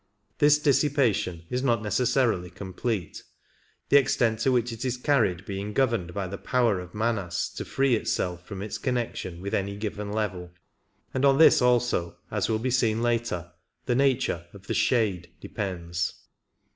This dissipation is not necessarily com plete, the extent to which it is carried being governed by the power of Manas to free itself from its connection with any given level ; and on this also, as will be seen later, the nature of the shade" depends.